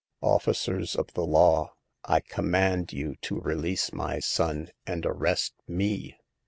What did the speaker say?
Officers of the law, I command you to release my son and arrest me.